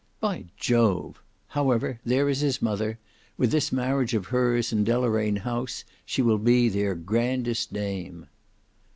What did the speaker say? "By Jove! However there is his mother; with this marriage of hers and Deloraine House, she will be their grandest dame."